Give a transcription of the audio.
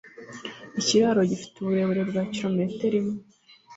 Ikiraro gifite uburebure bwa kilometero imwe.